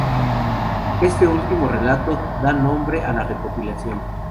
Este último relato da nombre a la recopilación.